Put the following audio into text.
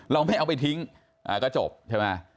เราไม่เอาไปทิ้งก็จบใช่ไหม